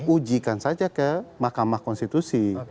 ujikan saja ke mahkamah konstitusi